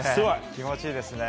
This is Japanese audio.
気持ちいいですね。